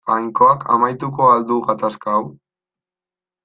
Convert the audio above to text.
Jainkoak amaituko al du gatazka hau.